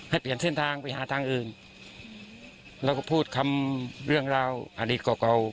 ให้เปลี่ยนเส้นทางไปหาทางอื่นแล้วก็พูดคำเรื่องราวอดีตเก่าเก่า